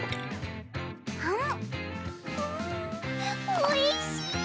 おいしい！